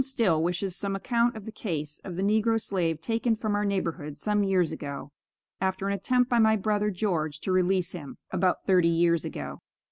Still wishes some account of the case of the negro slave taken from our neighborhood some years ago, after an attempt by my brother George to release him. (About thirty years ago.)